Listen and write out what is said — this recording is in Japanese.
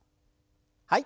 はい。